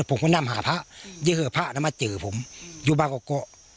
ผมก็นำหาพระเจอพระน้ำมาเจอผมอยู่บ้างกับเกาะ